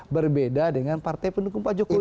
berbeda dengan partai pendukung pak jokowi